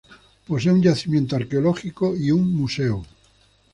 Posee un yacimiento arqueológico y un museo.